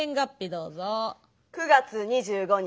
９月２５日。